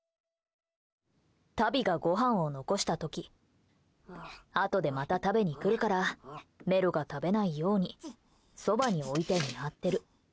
タビがごはんを残した時あとでまた食べに来るからメロが食べないようにそばに置いて、見張ってる。